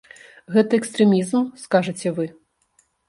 Гэта экстрэмізм, скажаце вы.